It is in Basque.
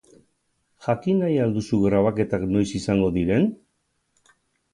Jakin nahi al duzu grabaketak noiz izango diren?